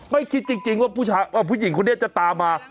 ไม่คิดจริงว่าผู้หญิงคนนี้จะตามมา